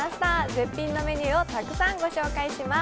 絶品のメニューをたくさんご紹介します。